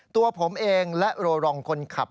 ตัวผมเองและโรรองคนขับ